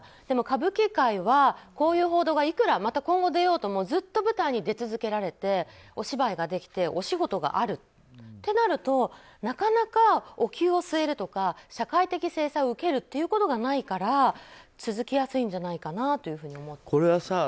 でも歌舞伎界は、こういう報道がまた今後出ようともずっと舞台に出続けられてお芝居ができてお仕事があるってなるとなかなかお灸を据えるとか社会的制裁を受けるということがないから続きやすいのかなと思っています。